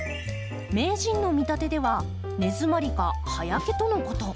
名人の見立てでは根づまりか葉焼けとのこと。